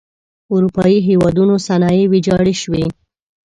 اروپايي هېوادونو صنایع ویجاړې شوئ.